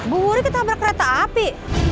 bu wuri ketabrak kereta api